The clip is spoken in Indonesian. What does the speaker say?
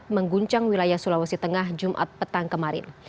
mengguncang wilayah sulawesi tengah jumat petang kemarin